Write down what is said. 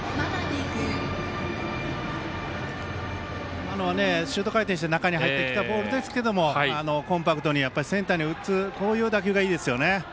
今のはシュート回転して中に入ってきたボールですけどもコンパクトにセンターに打つこういう打球がいいですね。